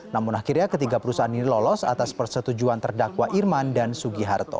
namun akhirnya ketiga perusahaan ini lolos atas persetujuan terdakwa irman dan sugiharto